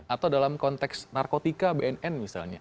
atau dalam konteks narkotika bnn misalnya